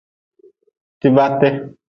Tibate.